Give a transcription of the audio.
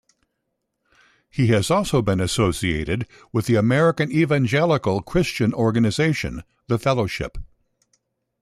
He has also been associated with the American evangelical Christian organisation, The Fellowship.